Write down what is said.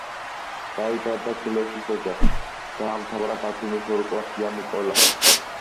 დაიბადა გლეხის ოჯახში, დაამთავრა ბათუმის ორკლასიანი კოლა.